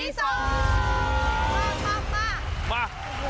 มามา